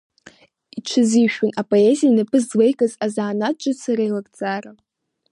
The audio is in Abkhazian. Иҽазишәон апоезиеи инапы злеикыз азанааҭ ҿыци реилагӡара.